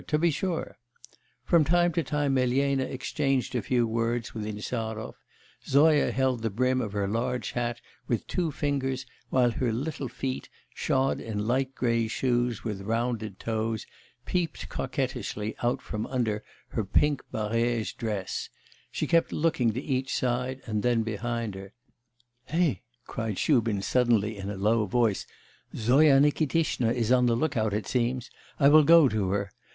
to be sure!' From time to time Elena exchanged a few words with Insarov; Zoya held the brim of her large hat with two fingers while her little feet, shod in light grey shoes with rounded toes, peeped coquettishly out from under her pink barège dress; she kept looking to each side and then behind her. 'Hey!' cried Shubin suddenly in a low voice, 'Zoya Nikitishna is on the lookout, it seems. I will go to her.